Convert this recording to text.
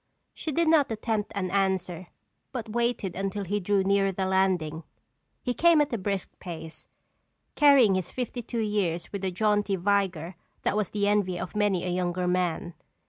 She did not attempt an answer but waited until he drew nearer the landing. He came at a brisk pace, carrying his fifty two years with a jaunty vigor that was the envy of many a younger man.